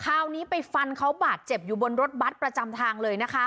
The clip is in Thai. คราวนี้ไปฟันเขาบาดเจ็บอยู่บนรถบัตรประจำทางเลยนะคะ